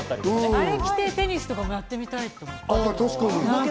あれ着てテニスとかもやってみたい。